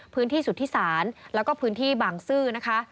สุธิศาลแล้วก็พื้นที่บางซื่อนะคะ